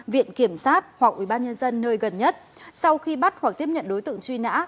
viện kiểm sát hoặc ubnd nơi gần nhất sau khi bắt hoặc tiếp nhận đối tượng truy nã